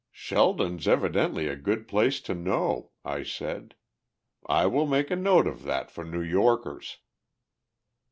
"Sheldon's evidently a good place to know," I said. "I will make a note of that for New Yorkers."